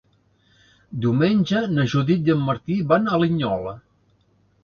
Diumenge na Judit i en Martí van a Linyola.